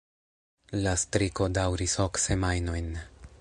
La striko daŭris ok semajnojn.